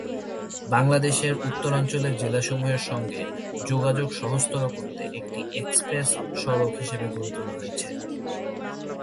বাংলাদেশের উত্তরাঞ্চলের জেলাসমূহের সঙ্গে যোগাযোগ সহজতর করতে একটি এক্সপ্রেস সড়ক হিসেবে গড়ে তোলা হয়েছে।